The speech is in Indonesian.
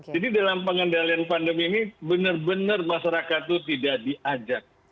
jadi dalam pengendalian pandemi ini benar benar masyarakat itu tidak diajak